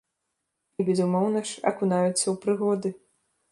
І, безумоўна ж, акунаюцца ў прыгоды.